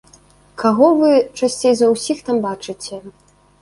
Каго вы часцей за ўсіх там бачыце?